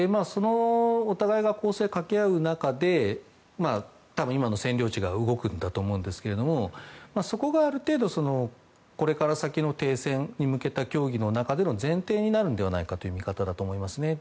お互いが攻勢をかけ合う中で多分今の占領地が動くんだと思うんですけれどもそこがある程度これから先の停戦に向けた協議の中での前提になるのではないかという見方だと思います。